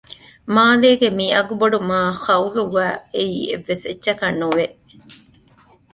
މާލޭގެ މި އަގުބޮޑު މާޚައުލުގައި އެއީ އެއްވެސް އެއްޗަކަށް ނުވެ